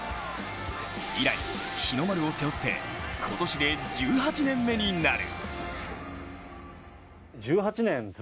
以来、日の丸を背負って今年で１８年目になる。